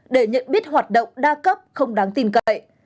để nhận biết hoạt động đa cấp không đáng tin cậy